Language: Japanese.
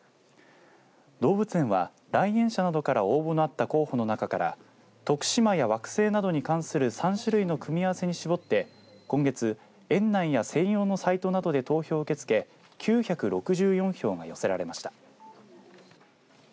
動物園は来園者などから応募のあった候補の中から徳島や惑星などに関する３種類の組み合わせに絞って今月、園内や専用のサイトなどで投票を受け付け９６４票が寄せられました。